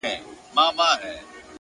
د فکر روڼتیا د ژوند لار اسانه کوي!